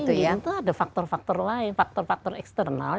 sekarang tinggi itu ada faktor faktor lain faktor faktor eksternal ya